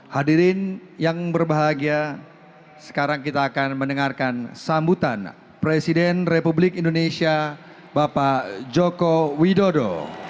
hadirin yang berbahagia sekarang kita akan mendengarkan sambutan presiden republik indonesia bapak joko widodo